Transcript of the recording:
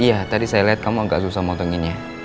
iya tadi saya lihat kamu agak susah motonginnya